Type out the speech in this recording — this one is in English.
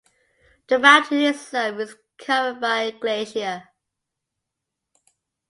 The mountain itself is covered by a glacier.